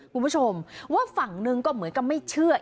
คุณผู้ชมว่าฝั่งนึงก็เหมือนกับไม่เชื่อ